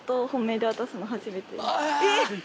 えっ！